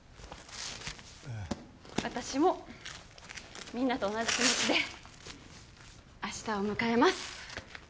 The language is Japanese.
私もみんなと同じ気持ちで明日を迎えます。